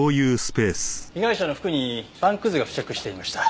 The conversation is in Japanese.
被害者の服にパンくずが付着していました。